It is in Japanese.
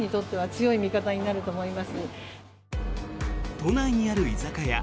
都内にある居酒屋。